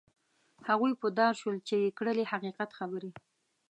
هغوی په دار شول چې یې کړلې حقیقت خبرې.